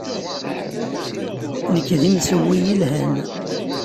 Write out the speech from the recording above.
Nekk d imsewwi yelhan.